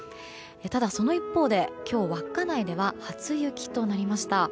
ただ、その一方で今日稚内では初雪となりました。